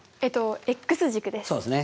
軸です。